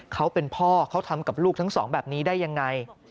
เขาเป็นพ่อเขาทำกับลูกทั้งสองแบบนี้ได้ยังไง